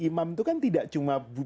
imam itu kan tidak cuma